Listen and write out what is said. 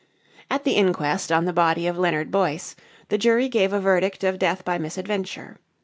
At the inquest on the body of Leonard Boyce, the jury gave a verdict of death by misadventure.